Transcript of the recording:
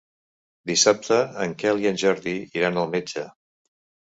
Dissabte en Quel i en Jordi iran al metge.